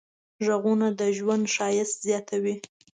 غږونه د ژوند ښایست زیاتوي.